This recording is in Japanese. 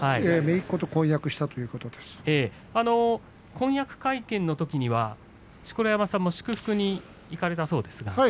めいっ子と婚約したということ婚約会見のときには錣山さんも祝福に行かれたそうですね。